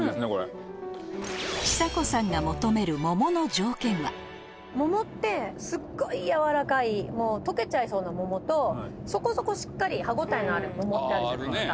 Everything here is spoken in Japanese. ちさ子さんが桃ってすっごい柔らかい溶けちゃいそうな桃とそこそこしっかり歯応えのある桃ってあるじゃないですか。